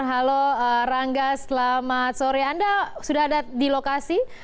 halo rangga selamat sore anda sudah ada di lokasi